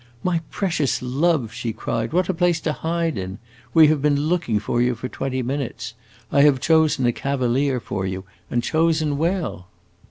"My precious love," she cried, "what a place to hide in! We have been looking for you for twenty minutes; I have chosen a cavalier for you, and chosen well!"